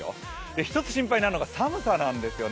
１つ心配なのが寒さなんですよね。